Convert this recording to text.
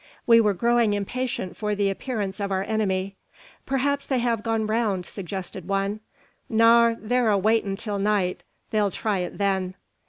We were growing impatient for the appearance of our enemy. "Perhaps they have gone round," suggested one. "No; thar a waitin' till night. They'll try it then."